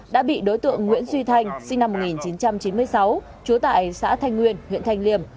đã bị đối tượng nguyễn duy thanh sinh năm một nghìn chín trăm chín mươi sáu trú tại xã thanh nguyên huyện thanh liêm